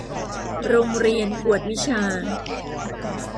โรงเรียนกวดวิชา